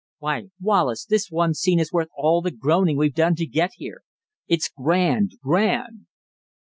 "Why, Wallace, this one scene is worth all the groaning we've done to get here. It's grand! grand!"